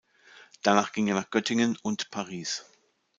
Danach ging er nach Göttingen und Paris.